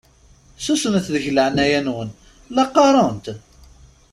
Susmet deg leɛnaya-nwen la qqaṛent!